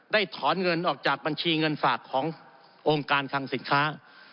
ถอนเงินออกจากบัญชีเงินฝากขององค์การคังสินค้า